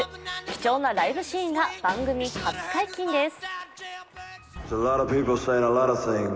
貴重なライブシーンが番組初解禁です。